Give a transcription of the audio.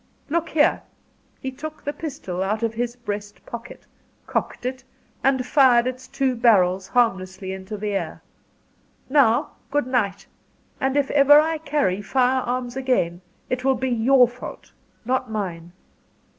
Look here!" He took the pistol out of his breast pocket, cocked it, and fired its two barrels harmlessly into the air. "Now, good night; and if ever I carry fire arms again, it will be your fault, not mine."